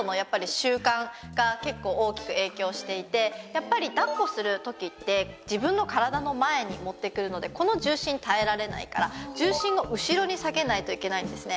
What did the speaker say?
やっぱり抱っこする時って自分の体の前に持ってくるのでこの重心耐えられないから重心を後ろに下げないといけないんですね。